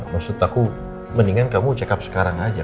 maksud aku mendingan kamu check up sekarang aja